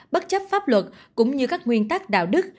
bất chấp pháp luật cũng như các nguyên tắc đạo đức